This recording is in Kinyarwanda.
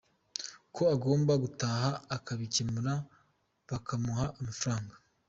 Ko agomba gutaha akabikemura bakamuha amafaranga.”